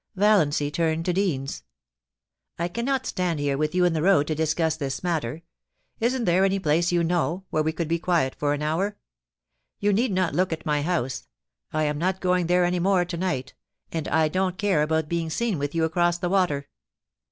Valiancy turned to Deans. * I cannot stand here with you in the road to discuss this matter. Isn't there any place you know, where we could be quiet for an hour? You need not look at my house. I am not going there any more to night, and I don't care about being seen with you across the water.